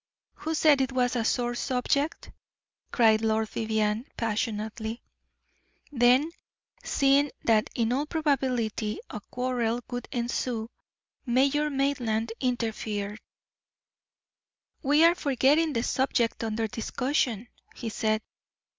"Who said it was a sore subject?" cried Lord Vivianne, passionately. Then, seeing that in all probability a quarrel would ensue, Major Maitland interfered. "We are forgetting the subject under discussion," he said.